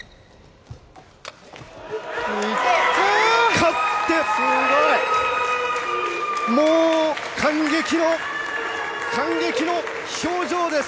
勝ってもう感激の表情です！